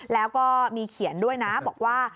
แล้วก็มีเขียนด้วยนะบอกว่า